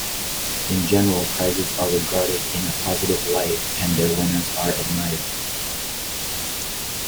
In general, prizes are regarded in a positive light, and their winners are admired.